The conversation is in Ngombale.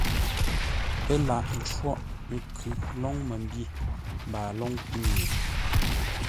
PƏ́ laghʼ ńcôghʼ nkʉ lóŋ məmbî mbaa lóŋ kúnye.